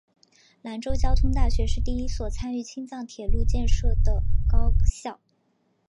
兰州交通大学是第一所参与青藏铁路建设的高校。